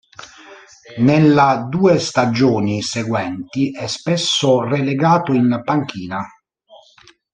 Nella due stagioni seguenti è spesso relegato in panchina.